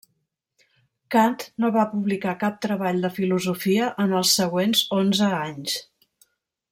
Kant no va publicar cap treball de filosofia en els següents onze anys.